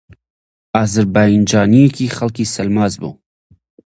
ئازەربایجانییەکی خەڵکی سەلماس بوو